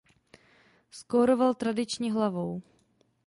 Skóroval tradičně hlavou.